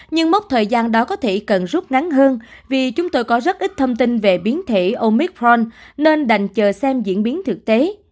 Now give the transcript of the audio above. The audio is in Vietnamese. nhưng mốc thời gian đó có thể cần rút ngắn hơn vì chúng tôi có rất ít thông tin về biến thể omicron nên đành chờ xem diễn biến thực tế